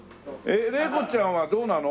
玲子ちゃんはどうなの？